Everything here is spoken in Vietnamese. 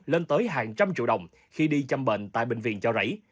lên tới hàng trăm triệu đồng khi đi chăm bệnh tại bệnh viện cho rảy